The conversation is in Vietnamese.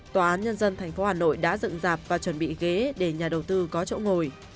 tòa án nhân dân tp hà nội đã dựng dạp và chuẩn bị ghế để nhà đầu tư có chỗ ngồi